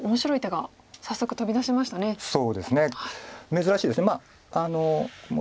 珍しいです。